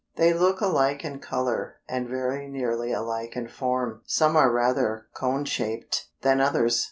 They look alike in color, and very nearly alike in form; some are rather more cone shaped than others.